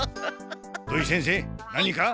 土井先生何か？